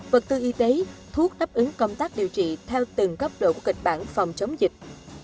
vật tư y tế thuốc đáp ứng công tác điều trị theo từng cấp độ kịch bản phòng chống dịch